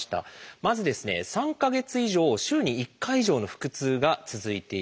まずですね３か月以上週に１回以上の腹痛が続いている。